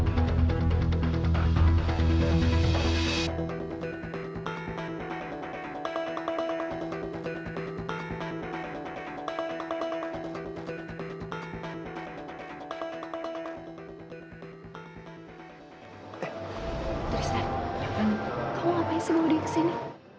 kamu ngapain sih bawa dia kesini